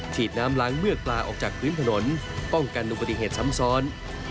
ฉีดน้ำล้างเมื่อปลาออกจากพื้นถนนป้องกันอุบัติเหตุซ้ำซ้อน